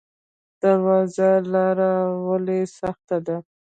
درواز لاره ولې سخته ده؟